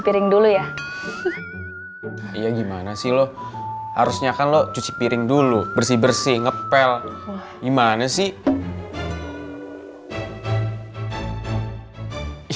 piring dulu ya gimana sih lo harusnya kan lo cuci piring dulu bersih bersih ngepel gimana sih